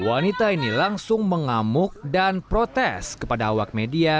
wanita ini langsung mengamuk dan protes kepada awak media